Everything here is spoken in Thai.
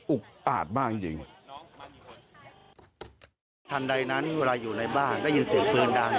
อุ๊กอาจบ้างจริง